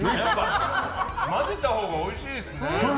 混ぜたほうがおいしいですね。